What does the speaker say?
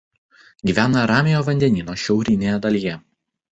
Gyvena Ramiojo vandenyno šiaurinėje dalyje.